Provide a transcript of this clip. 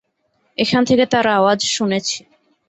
এখান থেকে তার আওয়াজ শুনেছি।